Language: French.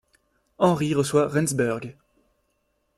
Henri reçoit Rendsburg.